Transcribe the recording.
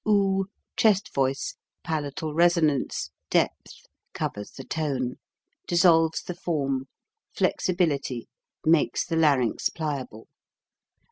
oo chest voice palatal resonance depth covers the tone dissolves the form flexibility makes the larynx pliable.